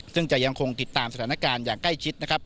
ซึ่งจะยังคงติดตามสถานการณ์อย่างใกล้ชิดนะครับ